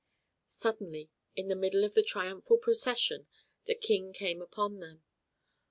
Suddenly, in the middle of the triumphal procession, the King came upon them.